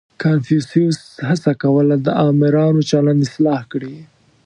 • کنفوسیوس هڅه کوله، د آمرانو چلند اصلاح کړي.